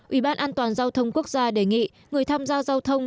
ủy ban an toàn giao thông quốc gia đề nghị người tham gia giao thông